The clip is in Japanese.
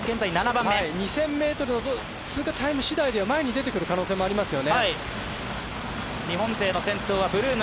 ２０００ｍの通過タイム次第では前に出てくる可能性ありますね。